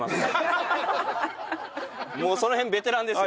もうその辺ベテランですよ。